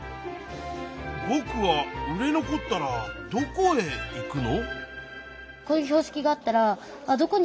「ぼくは売れ残ったらどこへ行くの」。